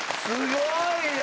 すごい。